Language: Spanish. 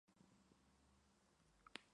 Las tormentas de arena son habituales.